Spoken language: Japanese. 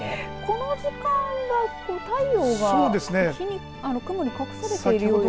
この時間は太陽が雲に隠されているようですね。